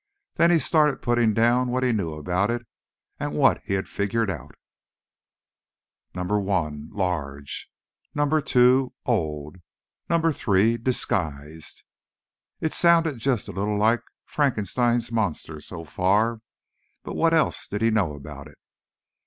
_ Then he started putting down what he knew about it, and what he'd figured out. 1. Large 2. Old 3. Disguised It sounded just a little like Frankenstein's Monster, so far. But what else did he know about it?